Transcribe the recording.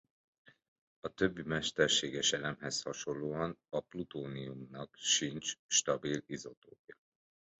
A többi mesterséges elemhez hasonlóan a plutóniumnak sincs stabil izotópja.